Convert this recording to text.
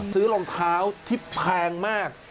รองเท้าที่แพงมาก